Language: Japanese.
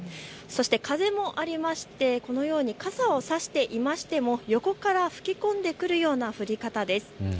そして風もありましてこのように傘を差していましても横から吹き込んでくるような降り方です。